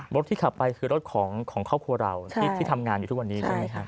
รถที่ขับไปคือรถของครอบครัวเราที่ทำงานอยู่ทุกวันนี้ใช่ไหมครับ